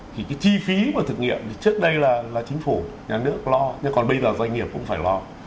thì cái chi phí mà thực nghiệm thì trước đây là chính phủ nhà nước lo nhưng còn bây giờ doanh nghiệp cũng phải lo